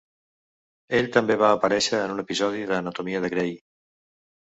Ell també va aparèixer en un episodi d'"Anatomia de Grey".